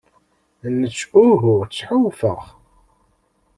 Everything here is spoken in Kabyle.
Nec uhu ttḥewwfeɣ.